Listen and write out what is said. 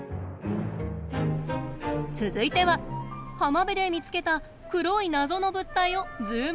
続いては浜辺で見つけた黒い謎の物体をズームアップ。